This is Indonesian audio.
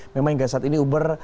memang hingga saat ini uber